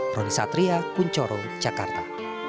prod satria kunchoro jakarta